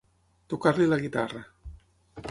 Tocar-li la guitarra.